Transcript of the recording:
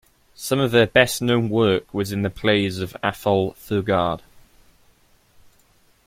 Some of her best-known work was in the plays of Athol Fugard.